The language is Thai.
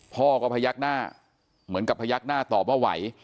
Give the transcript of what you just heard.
พ่อก็พยักหน้าเหมือนกับพยักหน้าตอบว่าไหว